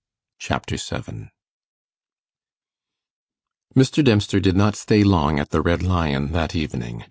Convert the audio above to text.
Chapter 7 Mr. Dempster did not stay long at the Red Lion that evening.